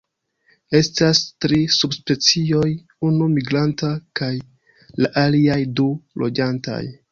Estas tri subspecioj, unu migranta, kaj la aliaj du loĝantaj.